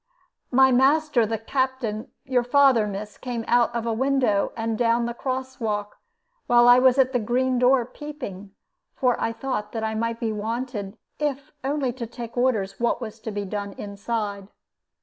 "My master, the Captain, your father, miss, came out of a window and down the cross walk, while I was at the green door peeping, for I thought that I might be wanted, if only to take orders what was to be done inside.